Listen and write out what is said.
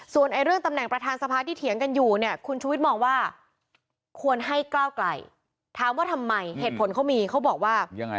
ส่วนเรื่องตำแหน่งประธานสภาที่เถียงกันอยู่เนี่ยคุณชุวิตมองว่าควรให้ก้าวไกลถามว่าทำไมเหตุผลเขามีเขาบอกว่ายังไง